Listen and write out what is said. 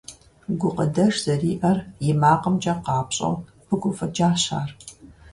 Гукъыдэж зэриӀэр и макъымкӀэ къапщӀэу пыгуфӀыкӀащ ар.